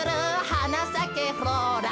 「はなさけフローラ」